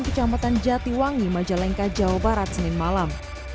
kecamatan jatiwangi majalengka jawa barat senin malam